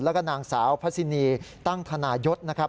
แล้วก็นางสาวพระสินีตั้งธนายศ